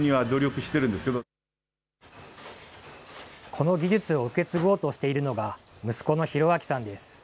この技術を受け継ごうとしているのが、息子の広彰さんです。